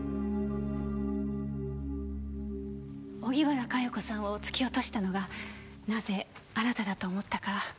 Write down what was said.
荻原佳代子さんを突き落としたのがなぜあなただと思ったか。